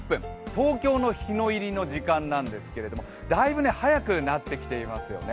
東京の日の入りの時間なんですけれども、だいぶ早くなってきていますよね。